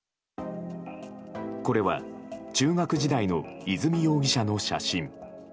これは、中学時代の和美容疑者の写真。